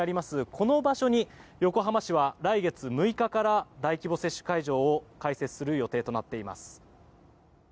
この場所に横浜市は来月６日から大規模接種会場を開設する予定となっています。